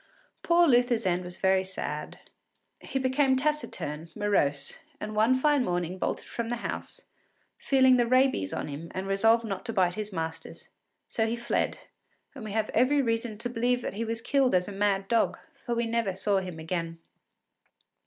Poor Luther’s end was very sad. He became taciturn, morose, and one fine morning bolted from the house, feeling the rabies on him and resolved not to bite his masters; so he fled, and we have every reason to believe that he was killed as a mad dog, for we never saw him again.